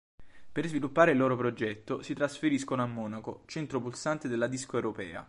Per sviluppare il loro progetto si trasferiscono a Monaco, centro pulsante della disco europea.